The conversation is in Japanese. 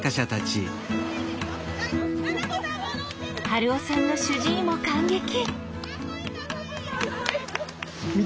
春雄さんの主治医も感激！